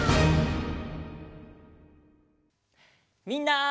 みんな。